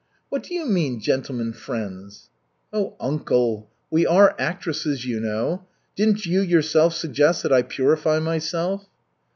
"What do you mean 'gentlemen friends?'" "Oh, uncle, we are actresses, you know. Didn't you yourself suggest that I purify myself?"